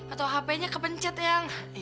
atau hapenya kepencet yang